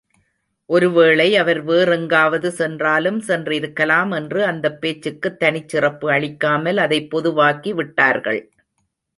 ஒருவேளை அவர் வேறெங்காவது சென்றாலும் சென்றிருக்கலாம் என்று அந்தப் பேச்சுக்குத் தனிச்சிறப்பு அளிக்காமல் அதைப் பொதுவாக்கி விட்டார்கள்.